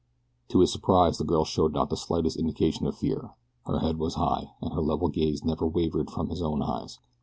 To his surprise the girl showed not the slightest indication of fear. Her head was high, and her level gaze never wavered from his own eyes.